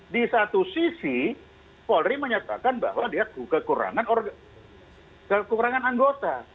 di satu sisi polri menyatakan bahwa dia kekurangan anggota